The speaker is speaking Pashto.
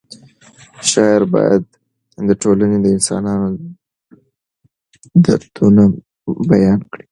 شعر باید د ټولنې د انسانانو دردونه بیان کړي.